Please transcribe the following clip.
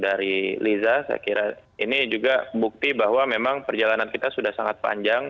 dari liza saya kira ini juga bukti bahwa memang perjalanan kita sudah sangat panjang